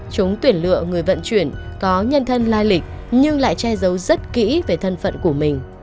chúng tuyển lựa người vận chuyển có nhân thân lai lịch nhưng lại che giấu rất kỹ về thân phận của mình